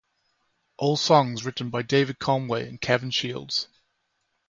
All songs written by David Conway and Kevin Shields.